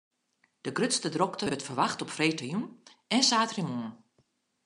De grutste drokte wurdt ferwachte op freedtejûn en saterdeitemoarn.